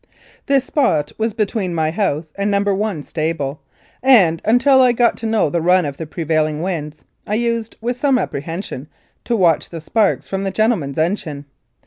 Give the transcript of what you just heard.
This spot was between my house and No. i stable, and until I got to know the run of the prevailing winds I used, with some apprehension, to watch the sparks from the gentleman's engine.